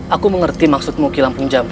aku mengerti maksudmu ki lampung jambu